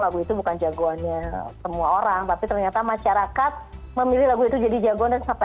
lagu itu bukan jagoannya semua orang tapi ternyata masyarakat memilih lagu itu jadi jagoan dan sampai